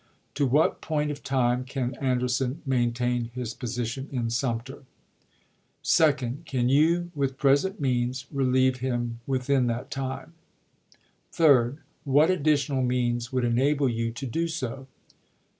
To what point of time can Anderson maintain his position in Sumter? 2d. Can you, with present means, relieve him within that time ? 3d. What additional means would enable you to do so